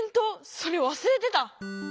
それわすれてた！